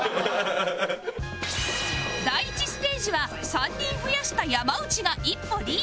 第１ステージは３人増やした山内が１歩リード